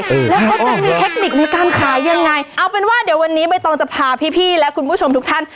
แล้วเขาจะมีเทคนิคในการขายยังไงเอาเป็นว่าเดี๋ยววันนี้ใบตองจะพาพี่พี่และคุณผู้ชมทุกท่าน